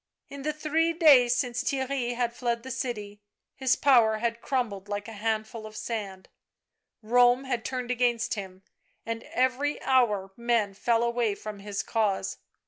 In the three days since Theirry had fled the city, his power had crumbled like a handful of sand; Rome had turned against him, and every hour men fell away from his cause.